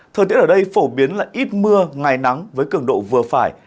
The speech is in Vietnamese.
thời tiết ở đây phổ biến là ít mưa ngày nắng với cường độ vừa phải